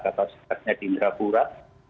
atau sekatnya di merah pura